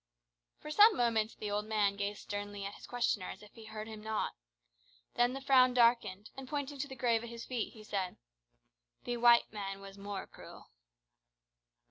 For some moments the old man gazed sternly at his questioner as if he heard him not. Then the frown darkened, and, pointing to the grave at his feet, he said "The white man was more cruel."